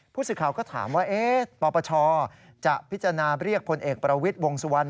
ผู้สื่อข่าวก็ถามว่าปปชจะพิจารณาเรียกพลเอกประวิทย์วงสุวรรณ